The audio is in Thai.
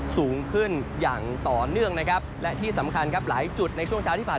สูงขึ้นอย่างต่อเนื่องนะครับและที่สำคัญครับหลายจุดในช่วงเช้าที่ผ่าน